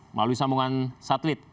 melalui sambungan satelit